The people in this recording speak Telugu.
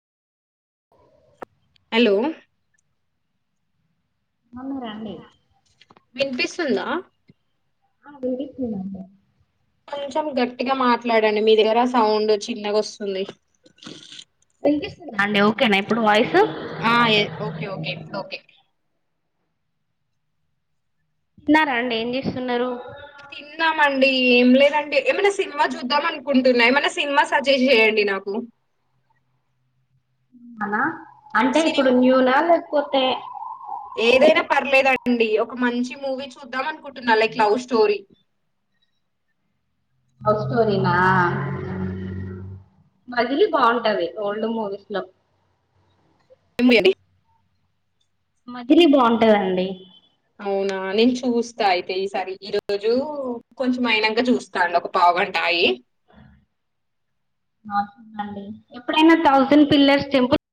హలో బాగున్నారా అండి వినిపిస్తుందా ఆ విన్పిస్థిండండి కొంచెం గట్టిగా మాట్లాడండి మీ దగ్గర సౌండ్ చిన్నగా వస్తుంది వినిపిస్తుందా అండి ఓకేన ఇప్పుడు వాయిస్ ఆ యే ఓకే ఓకే ఇప్పుడు ఓకే న్నారా అండి ఏం చేస్తున్నారు తిన్నామండి ఏం లేదండి ఏమైనా సినిమా చూద్దాం అనుకుంటున్నా ఏమైన్నా సినిమా సజెస్ట్ జేయండి నాకు అన అంటే ఇప్పుడు సినిమా న్యూనా లేకపోతే ఏదైనా పర్లేదండి ఒక మంచి మూవీ చూద్దాం అనుకుంటున్నా లైక్ లవ్ స్టోరీ లవ్ స్టోరినా మల్లీ బాహుబలి ఓల్డ్ మూవీస్ లో ఉమ్ ఏది మజిలీ బొంటదండి అవునా నేను చూస్తా అయితే ఈసారి ఈ రోజు కొంచెం ఐనంక చూస్తా అండి ఒక పావు గంట ఆగి ఆ అండి ఎప్పుడైనా థౌసండ్ పిల్లర్స్ టెంపుల్